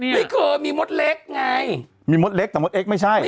ไม่เคยมีมดเล็กไงมีมดเล็กแต่มดเอ็กไม่ใช่